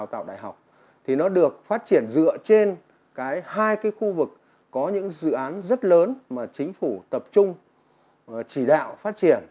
đào tạo đại học thì nó được phát triển dựa trên cái hai cái khu vực có những dự án rất lớn mà chính phủ tập trung chỉ đạo phát triển